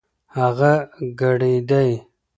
هغه کړېدی .